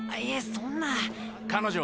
そんな彼女は？